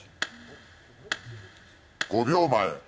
５秒前。